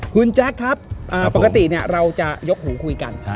คุณแจ๊คครับปกติเราจะยกหูคุยกัน